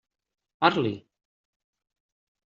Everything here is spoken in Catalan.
Parli!